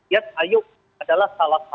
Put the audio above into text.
ya ayo adalah salah satu